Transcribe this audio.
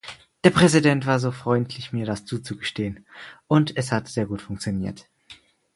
Der Präsident war so freundlich mir das zuzugestehen, und es hat sehr gut funktioniert.